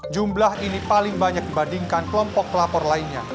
jumlah ini paling banyak dibandingkan kelompok pelapor lainnya